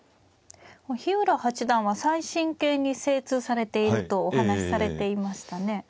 日浦八段は最新形に精通されているとお話しされていましたね。